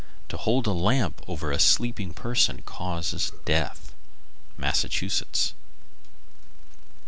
To hold a lamp over a sleeping person causes death. _Massachusetts.